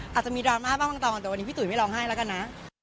อาจจะมีดราม่าบ้างบางตอนแต่วันนี้พี่ตุ๋ยไม่ร้องไห้แล้วกันนะ